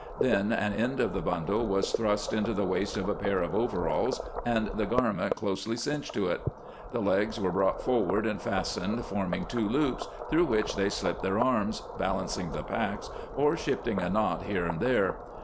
Then an end of the bundle was thrust into the waist of a pair of overalls and the garment closely cinched to it. The legs were brought forward and fastened, forming two loops, through which they slipped their arms, balancing the packs, or shifting a knot here and there.